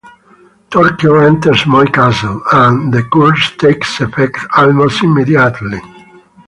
Torquil enters Moy Castle, and the curse takes effect almost immediately.